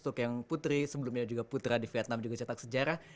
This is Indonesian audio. untuk yang putri sebelumnya juga putra di vietnam juga cetak sejarah